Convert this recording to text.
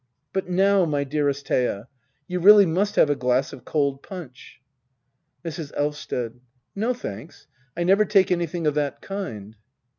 ] But now, my dearest rhea, you really must have a glass of cold punch. Mrs. Elvsted. No, thanks — I never take anything of that kind.